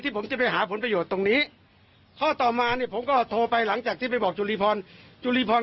ผมจะไปหาผลประโยชน์ตรงนี้ข้อต่อมาเนี่ยผมก็โทรไปหลังจากที่ไปบอกจุลีพรจุลีพร